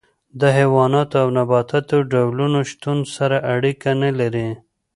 د حیواناتو او نباتاتو ډولونو شتون سره اړیکه نه لري.